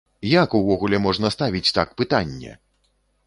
Як увогуле можна ставіць так пытанне!